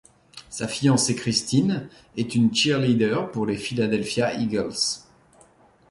Sa fiancée, Christine, est une cheerleader pour les Philadelphia Eagles.